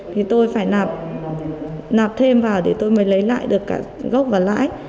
thì tôi phải nạp nạp thêm vào để tôi mới lấy lại được cả gốc và lãi